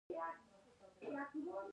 آیا د کاناډا الماس ډیر کیفیت نلري؟